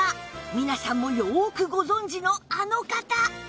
皆さんもよくご存じのあの方